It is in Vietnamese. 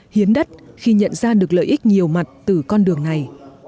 hiến đất khi nhận ra được lợi ích nhiều mặt từ con đường này